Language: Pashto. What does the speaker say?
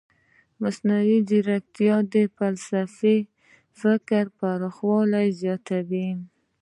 مصنوعي ځیرکتیا د فلسفي فکر پراخوالی زیاتوي.